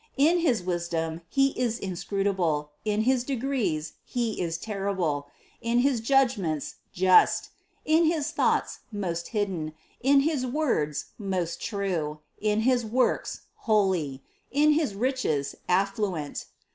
In his wis dom He is inscrutable, in his decrees He is terrible, in his judgments just, in his thoughts most hidden, in his words most true, in his works holy, in his riches affluent.